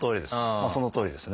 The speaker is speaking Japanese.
そのとおりです。